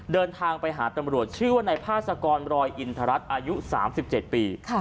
เดินทางไปหาตำรวจชื่อว่านายพาสกรรอยอินทรัศน์อายุ๓๗ปี